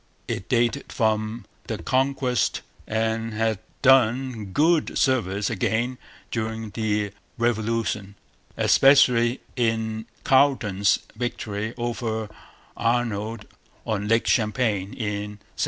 It dated from the Conquest, and had done good service again during the Revolution, especially in Carleton's victory over Arnold on Lake Champlain in 1776.